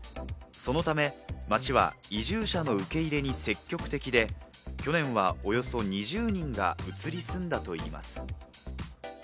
そのため、町は移住者の受け入れに積極的で、去年はおよそ２０人が移り住んだといいます。